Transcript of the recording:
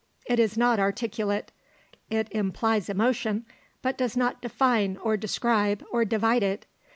It is not articulate. It implies emotion, but does not define, or describe, or divide it.